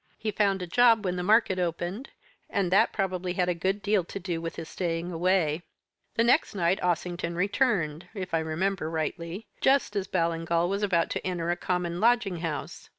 He found a job when the market opened, and that probably had a good deal to do with his staying away. The next night Ossington returned if I remember rightly, just as Ballingall was about to enter a common lodging house.